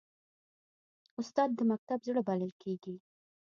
استاد د مکتب زړه بلل کېږي.